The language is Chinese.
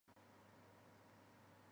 影片有着庞大的意大利制作团队。